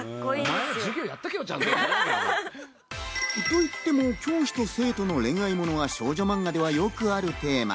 といっても教師と生徒の恋愛ものは少女マンガではよくあるテーマ。